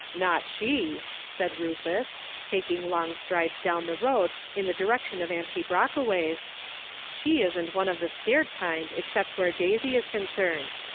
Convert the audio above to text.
"Not she," said Rufus, taking long strides down the road in the direction of Auntie Brock way's, "she isn't one of the scared kind except where Daisy is concerned.